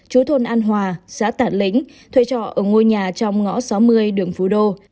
chú thôn an hòa xã tản lĩnh thuê trọ ở ngôi nhà trong ngõ sáu mươi đường phú đô